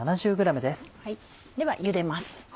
ではゆでます。